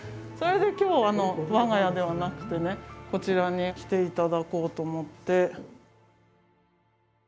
それで今日我が家ではなくてねこちらに来ていただこうと思って。